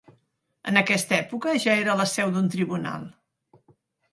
En aquesta època ja era la seu d'un tribunal.